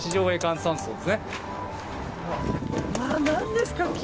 何ですか？